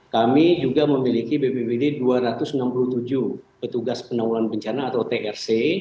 kami juga memiliki bpbd dua ratus enam puluh tujuh petugas penanggulan bencana atau trc